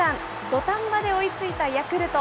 土壇場で追いついたヤクルト。